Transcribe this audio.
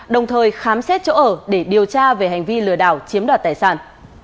đồng thời khám xét chỗ ở để điều tra về hành vi lừa đảo chiếm đoạt tài sản